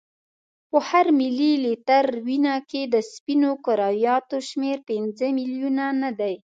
په هر ملي لیتر وینه کې د سپینو کرویاتو شمیر پنځه میلیونه نه دی.